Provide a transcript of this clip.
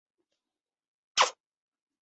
有必要到现场检查以澄清正确的机制。